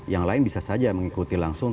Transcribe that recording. yang lain bisa saja mengikuti langsung